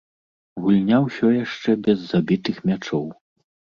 Гульня ўсё яшчэ без забітых мячоў.